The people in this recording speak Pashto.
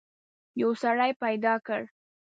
یو سړی پیدا کړ.